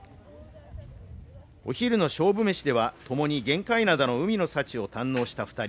お昼の勝負メシでは共に玄界灘の海の幸を堪能した２人。